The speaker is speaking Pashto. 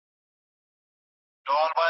هغه پانګه چی په توليد کي لګيږي تل ډېره ګټه لري.